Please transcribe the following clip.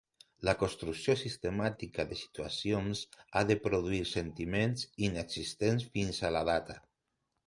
La construcció sistemàtica de situacions ha de produir sentiments inexistents fins a la data.